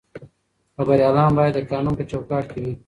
خبریالان باید د قانون په چوکاټ کې وي.